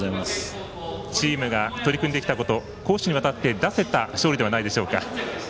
チームが取り組んできたこと攻守にわたって出せた勝利ではないでしょうか。